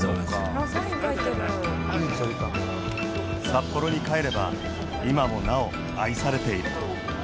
札幌に帰れば今もなお愛されている